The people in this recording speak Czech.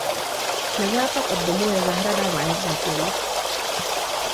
Na západ od domu je zahrada „"Wild garden"“.